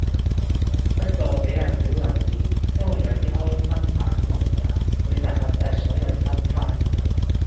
不過我比較少留意，因為有啲開心版網站會集合晒所有新番